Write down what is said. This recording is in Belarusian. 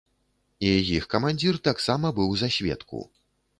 І іх камандзір таксама быў за сведку.